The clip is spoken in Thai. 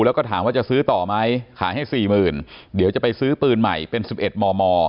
แล้วก็ถามว่าจะซื้อต่อไหมขายให้สี่หมื่นเดี๋ยวจะไปซื้อปืนใหม่เป็นสิบเอ็ดมม